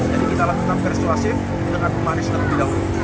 jadi kita lakukan peristuasif dengan manis terlebih dahulu